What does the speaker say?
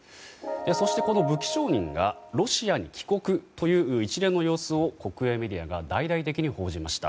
そしてこの武器商人がロシアに帰国という一連の様子を国営メディアが大々的に報じました。